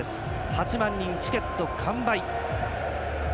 ８万人、チケット完売。